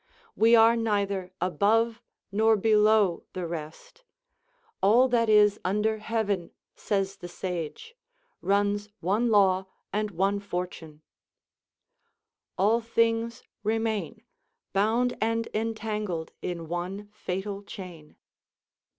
We are neither above nor below the rest All that is under heaven, says the sage, runs one law and one fortune: "All things remain Bound and entangled in one fatal chain."